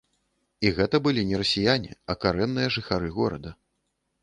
І гэта былі не расіяне, а карэнныя жыхары горада.